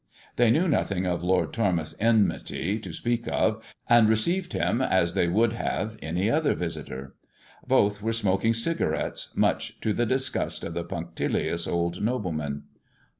They knew nothing of Lord Tormouth's enmity to speak of, and received him as they would have any other visitor. Both were smoking cigarettes, much to the disgust of the punctilious old nobleman.